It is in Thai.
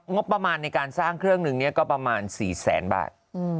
งบประมาณในการสร้างเครื่องหนึ่งก็ประมาณ๔แสนบาท